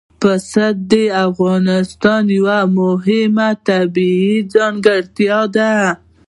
پسه د افغانستان یوه مهمه طبیعي ځانګړتیا ده.